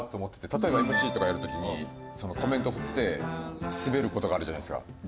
例えばＭＣとかやる時にコメント振ってスベる事があるじゃないですか芸人が。